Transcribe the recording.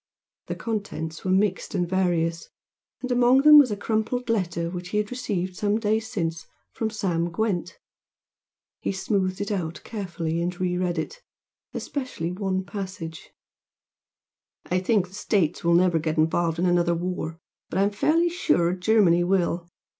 The contents were mixed and various, and among them was a crumpled letter which he had received some days since from Sam Gwent. He smoothed it out carefully and re read it, especially one passage "I think the States will never get involved in another war, but I am fairly sure Germany will.